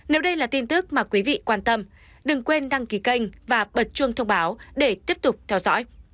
nếu đây là tin tức mà quý vị quan tâm đừng quên đăng ký kênh và bật chuông thông báo để tiếp tục theo dõi